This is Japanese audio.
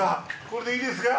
これでいいですか？